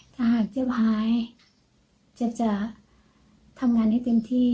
ถ้าหากเจ็บหายเจ็บจะทำงานให้เต็มที่